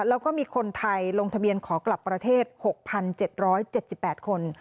แล้วก็มีคนไทยลงทะเบียนขอกลับประเทศ๖๗๗๘คน